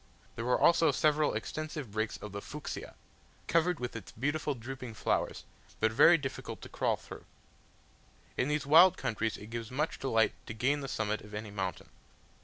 There were also several extensive brakes of the Fuchsia, covered with its beautiful drooping flowers, but very difficult to crawl through. In these wild countries it gives much delight to gain the summit of any mountain.